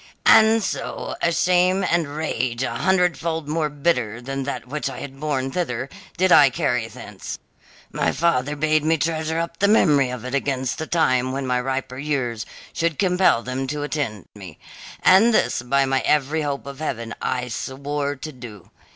"And so, a shame and rage a hundredfold more bitter than that which I had borne thither did I carry thence. My father bade me treasure up the memory of it against the time when my riper years should compel them to attend me, and this, by my every hope of heaven, I swore to do.